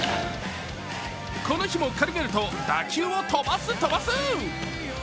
この日も軽々と打球を飛ばす飛ばす！